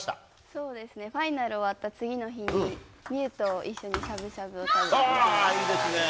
そうですね、ファイナル終わった次の日に、みゆうと一緒にしゃぶしゃぶを食いいですね。